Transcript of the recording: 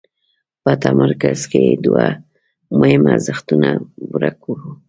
په تمرکز کې یې دوه مهم ارزښتونه ورک وو.